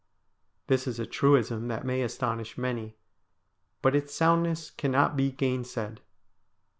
This is a truism that may astonish many, but its soundness cannot be gainsaid.